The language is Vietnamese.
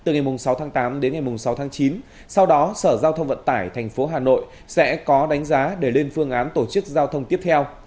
từ ngày sáu tháng tám đến ngày sáu tháng chín sau đó sở giao thông vận tải tp hà nội sẽ có đánh giá để lên phương án tổ chức giao thông tiếp theo